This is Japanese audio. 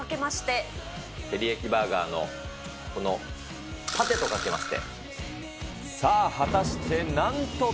ーテリヤキバーガーのこのパティとかけまして。